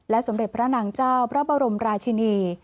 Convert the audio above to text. สมเด็จพระนางเจ้าพระบรมราชินี